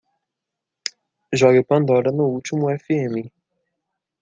Jogue Pandora no último Fm